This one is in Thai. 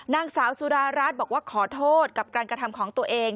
นางสาวสุดารัฐบอกว่าขอโทษกับการกระทำของตัวเอง